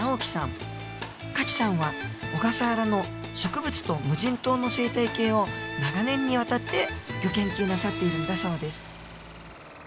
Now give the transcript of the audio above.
可知さんは小笠原の植物と無人島の生態系を長年にわたってギョ研究なさっているんだそうです